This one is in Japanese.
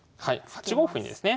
８五歩にですね